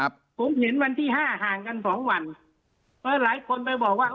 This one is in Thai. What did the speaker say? ผมเห็นวันที่๕ห่างกัน๒วันแล้วหลายคนไปบอกว่า